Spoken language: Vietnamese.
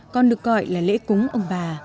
còn được gọi là lễ cúng ông bà